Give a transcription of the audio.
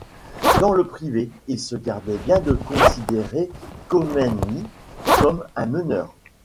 Dans le Privé, il se gardait bien de considérer Khomeini comme un meneur.